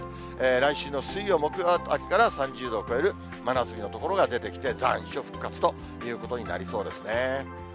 来週の水曜、木曜あたりから３０度を超える真夏日の所が出てきて、残暑復活ということになりそうですね。